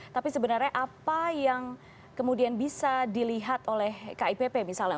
tapi sebenarnya apa yang kemudian bisa dilihat oleh kipp misalnya